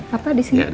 papa di sini